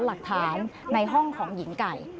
หลักฐานในห้องของหญิงไก่